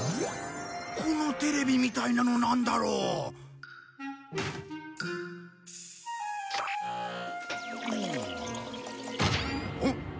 このテレビみたいなのなんだろう？おっ？